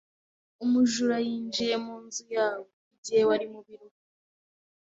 Umujura yinjiye mu nzu yawe igihe wari mu biruhuko.